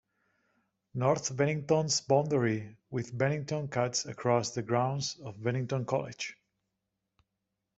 North Bennington's boundary with Bennington cuts across the grounds of Bennington College.